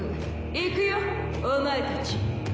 行くよお前たち。